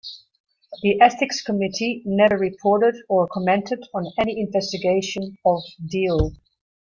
The Ethics Committee never reported or commented on any investigation of Deal.